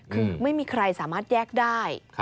คือไม่มีใครสามารถแยกได้